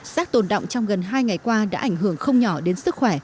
rác tồn động trong gần hai ngày qua đã ảnh hưởng không nhỏ đến sức khỏe